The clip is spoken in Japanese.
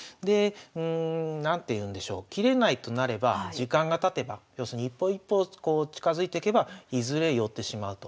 何ていうんでしょう切れないとなれば時間がたてば要するに一歩一歩近づいてけばいずれ寄ってしまうと。